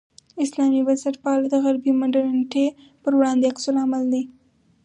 اسلامي بنسټپالنه د غربي مډرنیتې پر وړاندې عکس العمل دی.